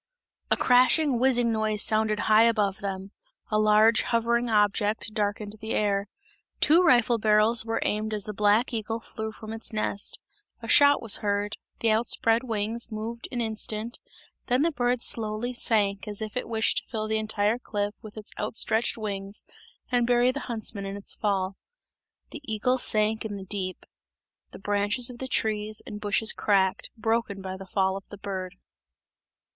A crashing, whizzing noise sounded high above them; a large hovering object darkened the air. Two rifle barrels were aimed as the black eagle flew from its nest; a shot was heard, the out spread wings moved an instant, then the bird slowly sank as if it wished to fill the entire cliff with its outstretched wings and bury the huntsmen in its fall. The eagle sank in the deep; the branches of the trees and bushes cracked, broken by the fall of the bird.